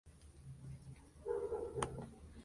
La sede del condado es Ellsworth.